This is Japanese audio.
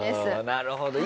なるほど。